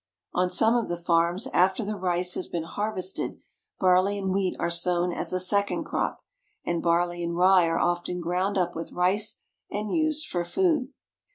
On some of the farms, after the rice has been harvested, barley and wheat are sown as a second crop, and barley and rye are often ground up with rice and used for food.